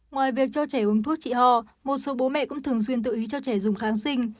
ngoài việc cho trẻ uống thuốc trị ho một số bố mẹ cũng thường xuyên tự ý cho trẻ dùng kháng sinh